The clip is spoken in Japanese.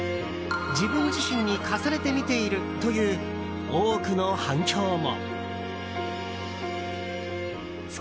自分自身に重ねて見ているという多くの反響も。